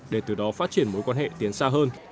để từ đó phát triển mối quan hệ tiến xa hơn